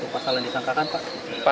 pasal yang disangkakan pak